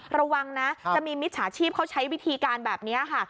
ระวังนะจะมีมิจฉาชีพเขาใช้วิธีการแบบนี้ค่ะ